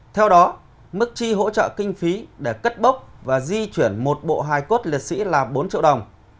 theo đó mức chi hỗ trợ kinh phí để cất bốc và di chuyển một bộ hài cốt liệt sĩ là bốn triệu đồng